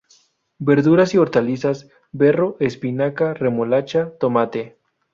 Verduras y hortalizas: berro, espinaca, remolacha, tomate.